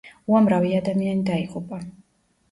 უამრავი ადამიანი დაიღუპა.